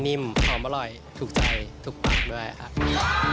หอมอร่อยถูกใจถูกปรับด้วยค่ะ